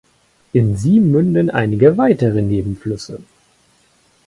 In sie münden einige weitere Nebenflüsse.